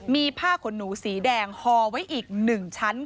มีผ้าขนหนูสีแดงฮอไว้อีก๑ชั้น